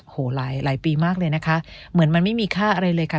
หลายปีมากเลยนะคะเหมือนมันไม่มีค่าอะไรเลยค่ะ